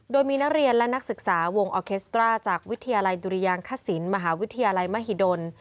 โดยมีนักเรียนและนักศึกษาวงออเคสตราจากวิทยาลัยดุริยางคศิลปมหาวิทยาลัยมหิดล